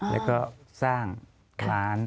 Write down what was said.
แล้วก็สร้างร้าน